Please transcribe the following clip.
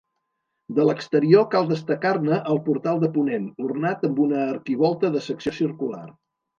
De l'exterior cal destacar-ne el portal de ponent, ornat amb una arquivolta de secció circular.